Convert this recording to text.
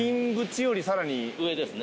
上ですね。